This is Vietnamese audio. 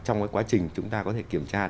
và trong quá trình chúng ta có thể kiểm tra